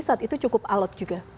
saat itu cukup alot juga